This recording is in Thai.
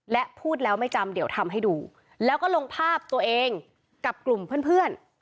และพูดแล้วไม่จำเดี๋ยวทำให้ดูแล้วก็ลงภาพตัวเองกับกลุ่มเพื่อน